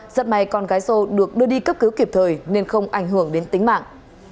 rất may con gái rô được đưa đi cấp cứu kịp thời nên không ảnh hưởng đến tính mạng